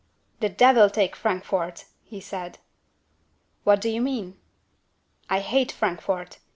"The devil take Frankfort!" he said. "What do you mean?" "I hate Frankfort.